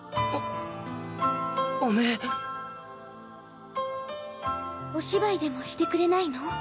うおおめえお芝居でもしてくれないの？